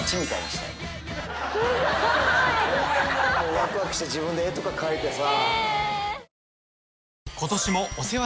わくわくして自分で絵とか描いてさ。